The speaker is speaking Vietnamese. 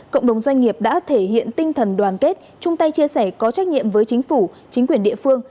cộng đồng doanh nghiệp đã thể hiện tinh thần đoàn kết chung tay chia sẻ có trách nhiệm với chính phủ chính quyền địa phương